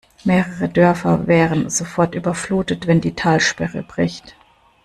Mehrere Dörfer wären sofort überflutet, wenn die Talsperre bricht.